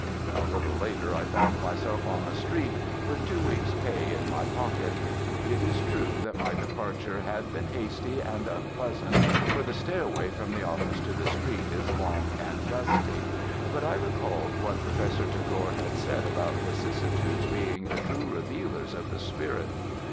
A little later I found myself on the street with two weeks' pay in my pocket. It is true that my departure had been hasty and unpleasant, for the stairway from the office to the street is long and dusty; but I recalled what Professor Tagore had said about vicissitudes being the true revealers of the spirit.